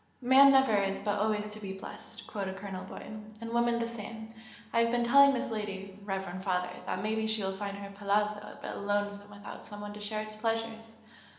"'Man never is but always to be blest'!" quoted Colonel Boyd "And woman the same! I have been telling this lady, reverend father, that maybe she will find her 'palazzo' a bit lonesome without some one to share its pleasures."